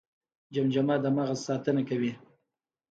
جمجمه د مغز ساتنه کوي